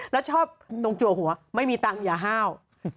แล้วชอบตรงจัวหัวไม่มีตังค์อย่าห้าว